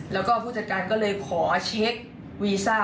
แล้วก็ผู้จัดการก็เลยขอเช็ควีซ่า